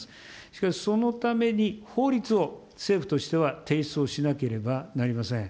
しかし、そのために法律を政府としては提出をしなければなりません。